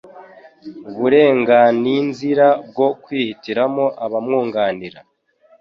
uburenganinzira bwo kwihitiramo abamwunganira